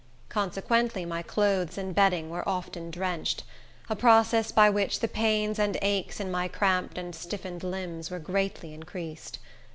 Consequently, my clothes and bedding were often drenched; a process by which the pains and aches in my cramped and stiffened limbs were greatly increased.